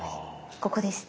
ここですね。